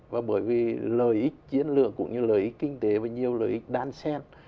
và bởi vì lợi ích chiến lược cũng như lợi ích kinh tế và nhiều lợi ích đan sen